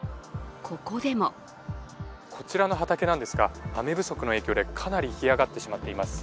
ここでもこちらの畑なんですが、雨不足の影響でかなり干上がってしまっています。